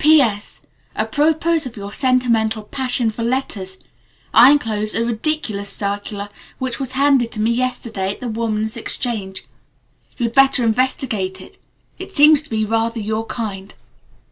"P. S. Apropos of your sentimental passion for letters, I enclose a ridiculous circular which was handed to me yesterday at the Woman's Exchange. You had better investigate it. It seems to be rather your kind."